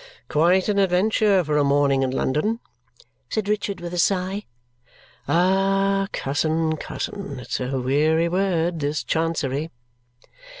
"Quite an adventure for a morning in London!" said Richard with a sigh. "Ah, cousin, cousin, it's a weary word this Chancery!"